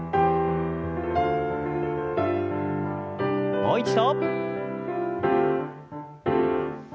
もう一度。